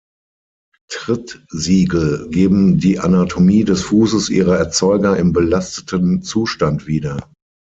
Trittsiegel geben die Anatomie des Fußes ihrer Erzeuger im belasteten Zustand wieder.